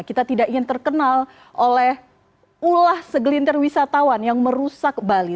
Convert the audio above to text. kita tidak ingin terkenal oleh ulah segelintir wisatawan yang merusak bali